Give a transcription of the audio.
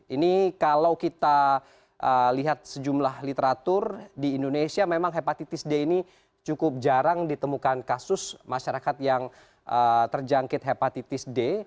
ini kalau kita lihat sejumlah literatur di indonesia memang hepatitis d ini cukup jarang ditemukan kasus masyarakat yang terjangkit hepatitis d